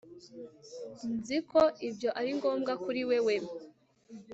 Nzi ko ibyo ari ngombwa kuri wewe